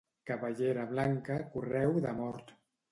Cabellera blanca, correu de la mort.